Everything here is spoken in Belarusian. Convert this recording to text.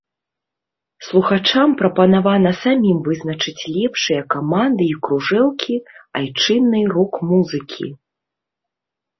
Слухачам прапанавана самім вызначыць лепшыя каманды і кружэлкі айчыннай рок-музыкі.